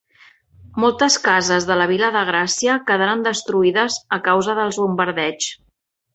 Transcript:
Moltes cases de la vila de Gràcia quedaren destruïdes a causa dels bombardeigs.